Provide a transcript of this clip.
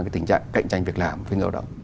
tình trạng cạnh tranh việc làm với lao động